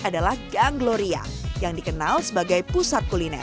adalah gang gloria yang dikenal sebagai pusat kuliner